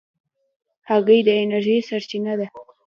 هګۍ د انرژۍ سرچینه ده.